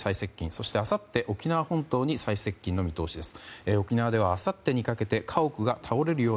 そして、あさって沖縄本島に最接近の見通しです。